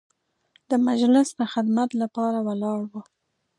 د مجلس د خدمت لپاره ولاړ وو.